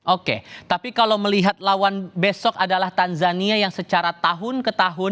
oke tapi kalau melihat lawan besok adalah tanzania yang secara tahun ke tahun